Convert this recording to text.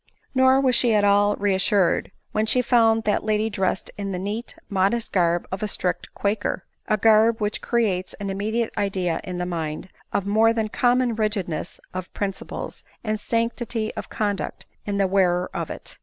Nor was she at all re assured when she found that lady dressed in the neat, modest garb of a strict quaker— a garb which creates an immediate idea in the. mind, of more than common rigidness of principles and sanctity of conduct in the wearer of it.